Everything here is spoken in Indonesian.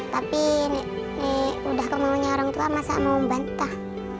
tapi udah kemaunya orang tua masa mau bantah